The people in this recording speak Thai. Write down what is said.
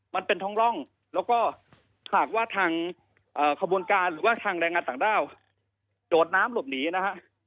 มันเป็นท้องร่องแล้วก็หากว่าทางขบวนการหรือว่าทางแรงงานต่างด้าวโดดน้ำหลบหนีนะฮะ